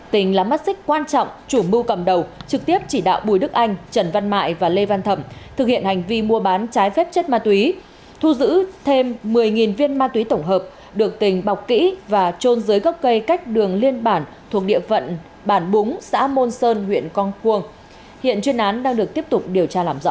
tỉnh là mắt xích quan trọng chủ mưu cầm đầu trực tiếp chỉ đạo bùi đức anh trần văn mại và lê văn thẩm thực hiện hành vi mua bán trái phép chất ma túy thu giữ thêm một mươi viên ma túy tổng hợp được tỉnh bọc kỹ và trôn dưới gốc cây cách đường liên bản thuộc địa phận bản búng xã môn sơn huyện con quông hiện chuyên án đang được tiếp tục điều tra làm rõ